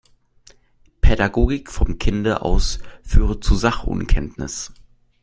Pädagogik vom Kinde aus führe zu Sach-Unkenntnis.